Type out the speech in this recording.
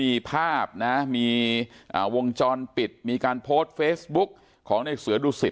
มีภาพนะมีวงจรปิดมีการโพสต์เฟซบุ๊กของในเสือดุสิต